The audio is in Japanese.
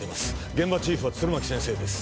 現場チーフは弦巻先生です